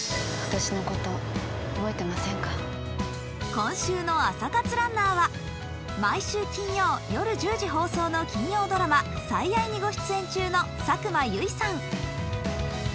今週の朝活ランナーは毎週金曜日夜１０時放送の金曜ドラマ「最愛」にご出演中の佐久間由衣さん。